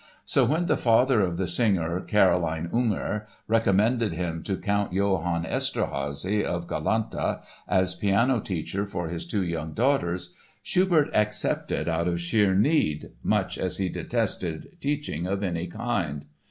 So when the father of the singer, Caroline Unger, recommended him to Count Johann Esterházy, of Galantha, as piano teacher for his two young daughters, Schubert accepted out of sheer need, much as he detested teaching of any kind.